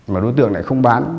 mà đối tượng lại không bán